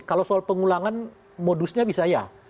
kalau soal pengulangan modusnya bisa ya